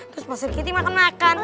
terus pak sikiti makan makan